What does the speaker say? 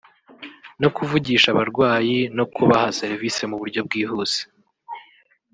no kuvugisha abarwayi no kubaha serivise mu buryo bwihuse